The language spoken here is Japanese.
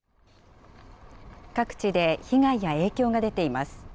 各地で被害や影響が出ています。